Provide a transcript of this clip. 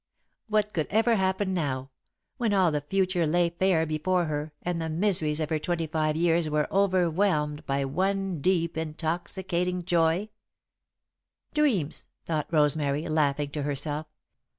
What could ever happen now, when all the future lay fair before her and the miseries of her twenty five years were overwhelmed by one deep intoxicating joy? "Dreams," thought Rosemary, laughing to herself.